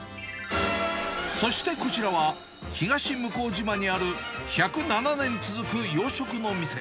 そしてこちらは、東向島にある１０７年続く洋食の店。